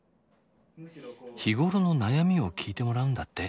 日頃の悩みを聞いてもらうんだって。